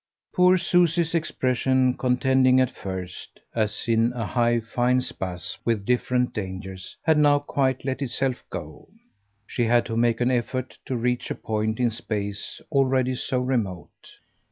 Poor Susie's expression, contending at first, as in a high fine spasm, with different dangers, had now quite let itself go. She had to make an effort to reach a point in space already so remote.